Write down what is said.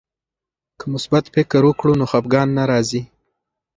که مثبت فکر وکړو نو خفګان نه راځي.